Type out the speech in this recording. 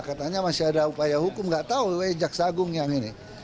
katanya masih ada upaya hukum nggak tahu rupa rupa jaksagung yang ini